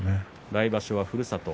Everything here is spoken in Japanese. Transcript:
来場所はふるさと